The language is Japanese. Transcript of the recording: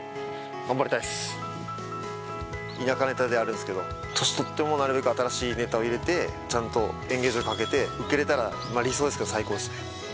田舎ネタではあるんすけど年取ってもなるべく新しいネタを入れてちゃんと演芸場かけてウケれたらまあ理想ですけど最高っすね。